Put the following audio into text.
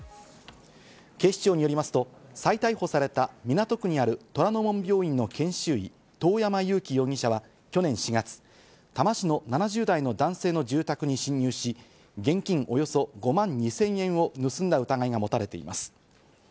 警視庁によりますと、再逮捕された港区にある虎の門病院の研修医・遠山友希容疑者は、去年４月、多摩市の７０代の男性の住宅に侵入し、現金およそ５万２０００円を盗んだ疑いが持たれています。